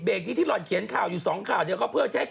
เอ้าเดี๋ยวก่อนตกลงไม่ได้เอาเป็นไม้